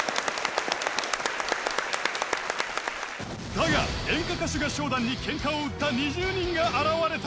［だが演歌歌手合唱団にケンカを売った２０人が現れた！］